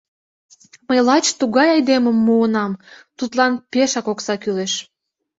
Мый лач тугай айдемым муынам, тудлан пешак окса кӱлеш.